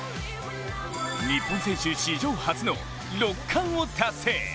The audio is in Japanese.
日本選手史上初の６冠を達成。